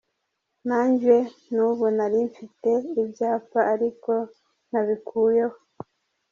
Nanjye nubu nari mfite ibyapa ariko nabikuyeho.